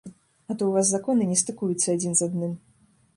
А то ў вас законы не стыкуюцца адзін з адным.